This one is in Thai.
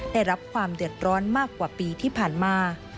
ได้รับความเดือดร้อนมากกว่าปีที่ผ่านมา